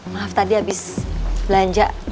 maaf tadi abis belanja